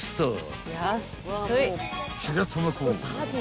［白玉粉］